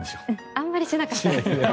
あんまりしなかったです。